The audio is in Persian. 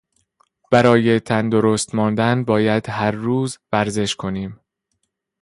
برای تندرست ماندن باید هر روز ورزش کنیم.